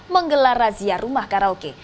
menggelar razia rumah karaoke